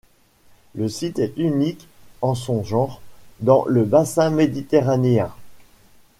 Le site est unique en son genre dans le bassin méditerranéen.